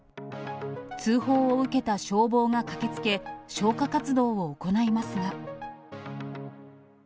通報を受けた消防が駆けつけ、消火活動を行いますが。